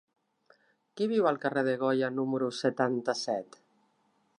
Qui viu al carrer de Goya número setanta-set?